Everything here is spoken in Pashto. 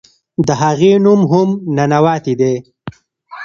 د هغې نوم هم "ننواتې" دے.